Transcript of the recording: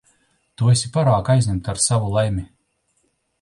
Tu esi pārāk aizņemta ar savu laimi.